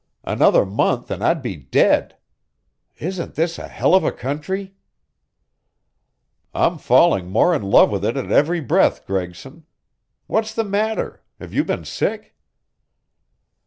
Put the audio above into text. "Another month and I'd be dead. Isn't this a hell of a country?" "I'm falling more in love with it at every breath, Gregson. What's the matter? Have you been sick?"